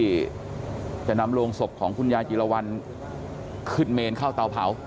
ที่จะนำโรงศพของคุณยายจิลวันขึ้นเมนเข้าเตาเผา